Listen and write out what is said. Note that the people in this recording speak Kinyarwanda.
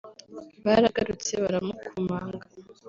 baragarutse baramukomanga